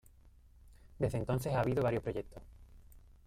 Desde entonces ha habido varios proyectos.